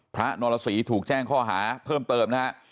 พระนรสีถูกแจ้งข้อหาเพิ่มเติมนะครับ